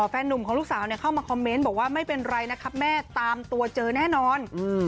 หนุ่มของลูกสาวเข้ามาคอมเมนต์บอกว่าไม่เป็นไรนะครับแม่ตามตัวเจอแน่นอน